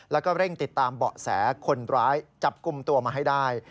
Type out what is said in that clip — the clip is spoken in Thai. แล้วก็เร่งติดตามเบาะแสคนร้ายจับกลุ่มตัวมาให้ได้